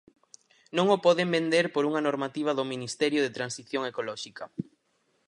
Non o poden vender por unha normativa do Ministerio de Transición Ecolóxica.